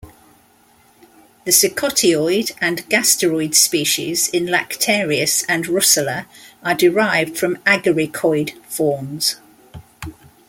The "secotioid" and "gasteroid" species in "Lactarius" and "Russula" are derived from agaricoid forms.